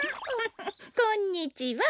こんにちは。